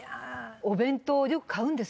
お弁当よく買うんですよ